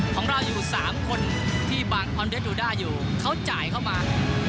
ของเราอยู่สามคนที่บางดูได้อยู่เขาจ่ายเข้ามา